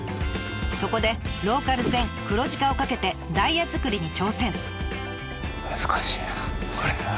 そこでローカル線黒字化を懸けてダイヤ作りに挑戦。